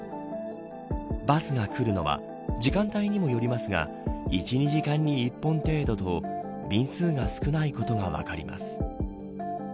バスがくるのは時間帯にもよりますが１、２時間に１本程度と便数が少ないことが分かります。